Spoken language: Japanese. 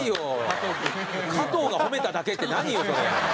加藤が褒めただけって何よそれ。